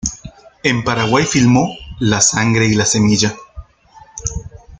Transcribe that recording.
En Paraguay filmó "La sangre y la semilla".